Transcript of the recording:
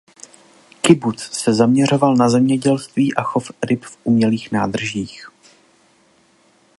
Kibuc se zaměřoval na zemědělství a chov ryb v umělých nádržích.